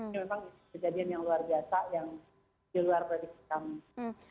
ini memang kejadian yang luar biasa yang di luar prediksi kami